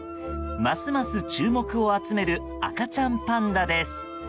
ますます注目を集める赤ちゃんパンダです。